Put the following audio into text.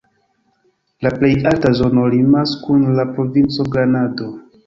La plej alta zono limas kun la provinco Granado.